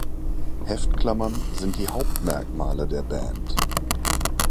Heftklammern sind die Hauptmerkmale der Band.